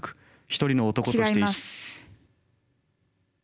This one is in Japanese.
一人の男として。